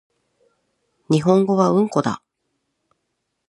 日本語はうんこだ